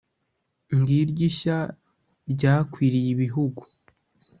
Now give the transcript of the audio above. ngiryo ishya ryakwiriye ibihugu.